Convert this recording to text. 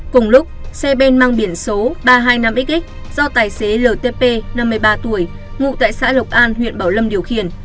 cùng lúc xe bên mang biển số ba trăm hai mươi năm x do tài xế lt năm mươi ba tuổi ngụ tại xã lộc an huyện bảo lâm điều khiển